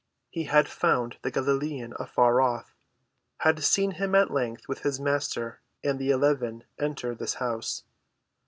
He had followed the Galilean afar off, had seen him at length with his Master and the eleven enter this house.